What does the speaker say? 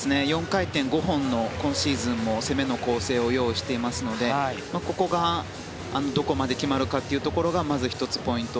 ４回転５本の今シーズンも攻めの構成を用意していますのでここがどこまで決まるかというところがまず１つポイント。